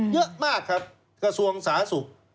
เยอะมากครับกระทรวงสหสุข